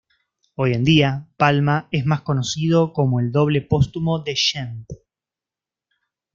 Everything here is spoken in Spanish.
Hoy en día, Palma es más conocido como el doble póstumo de Shemp.